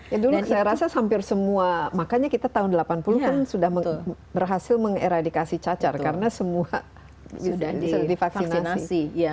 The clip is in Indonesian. ya dulu saya rasa hampir semua makanya kita tahun delapan puluh kan sudah berhasil mengeradikasi cacar karena semua sudah divaksinasi